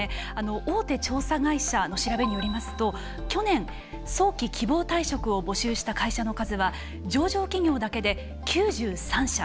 大手調査会社の調べによりますと去年、早期希望退職を募集した会社の数は上場企業だけで９３社。